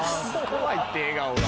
怖いって笑顔が。